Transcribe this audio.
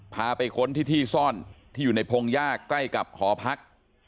พาไปค้นที่ที่ซ่อนที่อยู่ในพงยากใกล้กับหอพัก